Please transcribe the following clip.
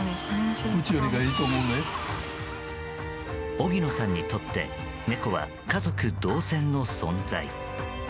荻野さんにとって猫は家族同然の存在。